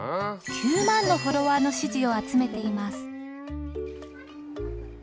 ９万のフォロワーの支持を集めています。